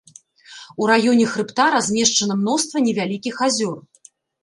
У раёне хрыбта размешчана мноства невялікіх азёр.